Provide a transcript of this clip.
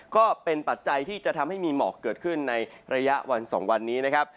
ปัจจัยที่จะทำให้มีหมอกเกิดขึ้นในระยะวัน๒วันนี้นะครับ